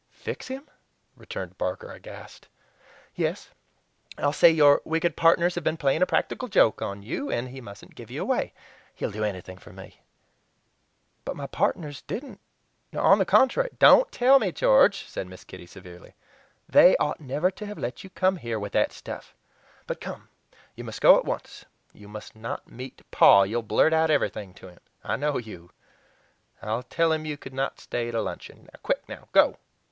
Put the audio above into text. "Fix him?" returned Barker, aghast. "Yes, I'll say your wicked partners have been playing a practical joke on you, and he mustn't give you away. He'll do anything for me." "But my partners didn't! On the contrary " "Don't tell me, George," said Miss Kitty severely. "THEY ought never to have let you come here with that stuff. But come! You must go at once. You must not meet Paw; you'll blurt out everything to him; I know you! I'll tell him you could not stay to luncheon. Quick, now; go.